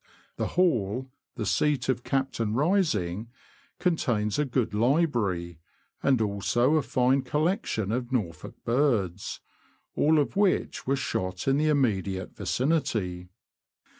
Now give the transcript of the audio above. The Hall, the seat of Captain Rising, contains a good library, and also a fine collection of Norfolk birds, all of which were shot in the imme diate vicinity.